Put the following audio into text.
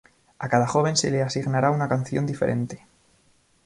A cada joven se le asignará una canción diferente.